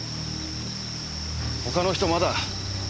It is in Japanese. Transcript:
他の人まだ？